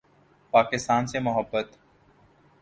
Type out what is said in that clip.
پاکستان سے محبت